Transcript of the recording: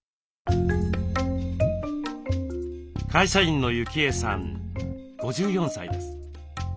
会社員の幸枝さん５４歳です。